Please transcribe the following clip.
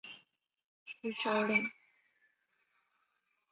其首领的头衔是召片领。